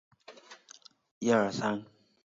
普雷克桑。